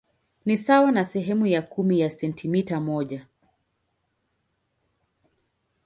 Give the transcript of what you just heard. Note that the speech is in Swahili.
Ni sawa na sehemu ya kumi ya sentimita moja.